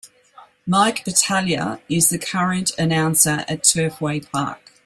Mike Battaglia is the current announcer at Turfway Park.